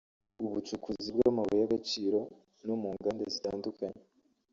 ubucukuzi bw’amabuye y’agaciro no mu nganda zitandukanye